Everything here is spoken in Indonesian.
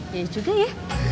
ya juga ya